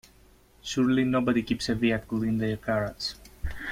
Surely nobody keeps a vehicle in their garage?